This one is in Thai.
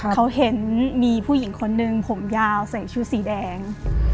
เขาเห็นมีผู้หญิงคนหนึ่งผมยาวใส่ชุดสีแดง